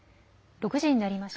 ６時になりました。